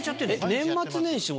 年末年始も。